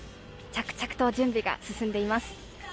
着々と準備が進んでいます。